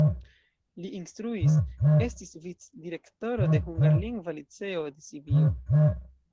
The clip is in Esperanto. Li instruis, estis vicdirektoro de hungarlingva liceo de Sibio.